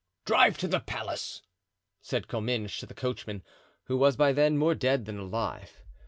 "Drive to the palace," said Comminges to the coachman, who was by then more dead than alive.